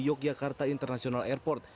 yogyakarta international airport